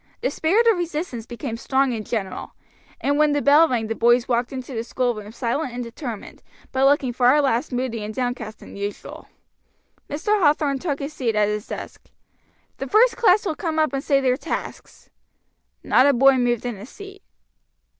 The spirit of resistance became strong and general, and when the bell rang the boys walked into the schoolroom silent and determined, but looking far less moody and downcast than usual. Mr. Hathorn took his seat at his desk. "The first class will come up and say their tasks." Not a boy moved in his seat.